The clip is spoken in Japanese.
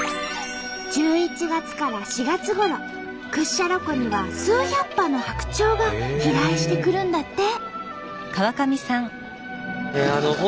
１１月から４月ごろ屈斜路湖には数百羽の白鳥が飛来してくるんだって。